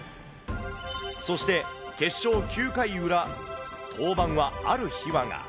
そして、決勝９回裏、登板はある秘話が。